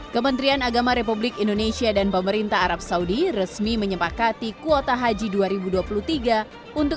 kementerian agama republik indonesia dan pemerintah arab saudi resmi menyepakati kuota haji dua ribu dua puluh tiga untuk